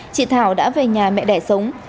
chị thảo đã về nhà mẹ đẻ sống